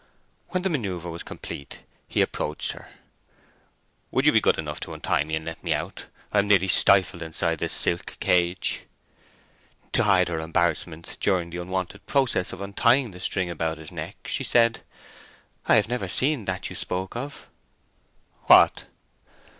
When the manœuvre was complete he approached her. "Would you be good enough to untie me and let me out? I am nearly stifled inside this silk cage." To hide her embarrassment during the unwonted process of untying the string about his neck, she said:— "I have never seen that you spoke of." "What?"